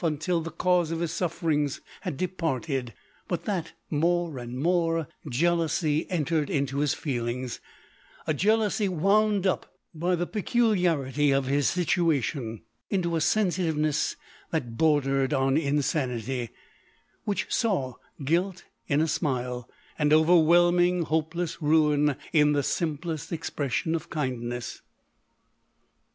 until the cause of his sufferings had departed — but that, more and more, jealousy entered into his feelings — a jealousy, wound up by the pecu liarity of his situation, into a sensitiveness that bordered on insanity, which saw guilt in a smile, and overwhelming, hopeless ruin, in the simplest expression of kindness.